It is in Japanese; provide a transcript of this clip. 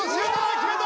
決めた！